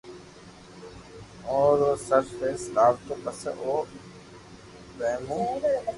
امو رو سر فيس لآيتو پسو او ئيئو مون